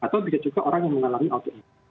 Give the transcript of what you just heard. atau bisa juga orang yang mengalami audit